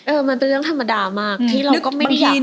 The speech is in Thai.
มันเป็นเรื่องธรรมดามากที่เราก็ไม่อยาก